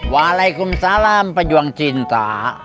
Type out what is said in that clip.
waalaikumsalam pejuang cinta